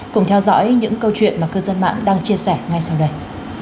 cùng theo dõi những câu chuyện mà cư dân mạng đang chia sẻ ngay sau đây